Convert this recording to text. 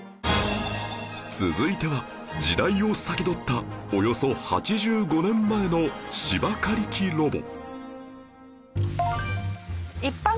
続いては時代を先取ったおよそ８５年前の芝刈り機ロボ